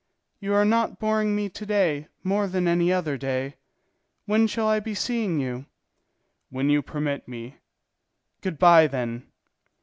"You are not boring me to day more than any other day. When shall I be seeing you?" "When you permit me." "Good bye, then."